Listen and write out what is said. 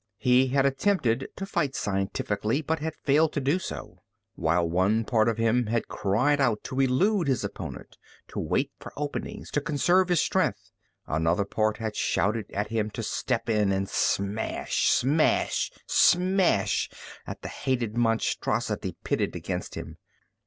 He had attempted to fight scientifically, but had failed to do so. While one part of him had cried out to elude his opponent, to wait for openings, to conserve his strength, another part had shouted at him to step in and smash, smash, smash at the hated monstrosity pitted against him.